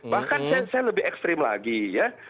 bahkan saya lebih ekstrim lagi ya